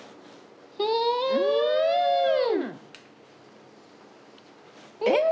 うん！えっ！